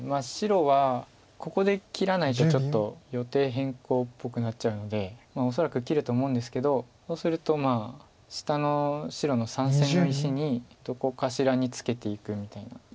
白はここで切らないとちょっと予定変更っぽくなっちゃうので恐らく切ると思うんですけどそうすると下の白の３線の石にどこかしらにツケていくみたいな。